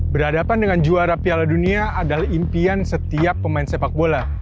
berhadapan dengan juara piala dunia adalah impian setiap pemain sepak bola